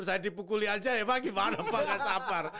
saya dipukuli aja ya pak gimana pak gak sabar